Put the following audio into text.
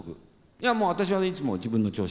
いやもう私はいつもの自分の調子で。